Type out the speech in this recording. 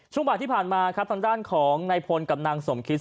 บ่ายที่ผ่านมาครับทางด้านของนายพลกับนางสมคิต